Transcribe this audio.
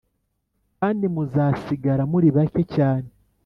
kandi muzasigara muri bake cyane